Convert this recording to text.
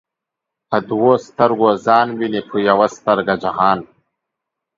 په دوو ستر گو ځان ويني په يوه سترگه جهان